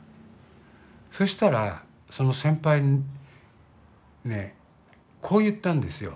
そしたらその先輩ねこう言ったんですよ。